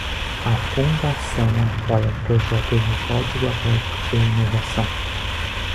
A fundação apoia projetos de código aberto e inovação.